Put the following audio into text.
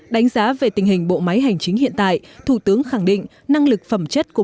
đánh giá về tình hình bộ máy hành chính hiện tại thủ tướng khẳng định năng lực phẩm chất của